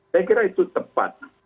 saya kira itu tepat